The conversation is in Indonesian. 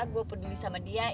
gue peduli sama dia